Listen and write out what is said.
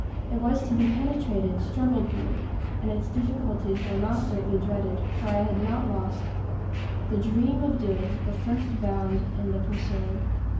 It was to be penetrated, struggled through; and its difficulties were not greatly dreaded, for I had not lost "The dream of Doing, The first bound in the pursuing."